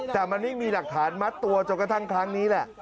แต่มันไม่มีหลักฐานมัดตัวจนกระทั่งครั้งนี้แหละ